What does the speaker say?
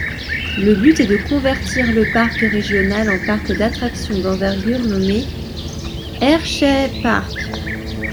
Le but est de convertir le parc régional en parc d’attraction d’envergure nommé Hersheypark.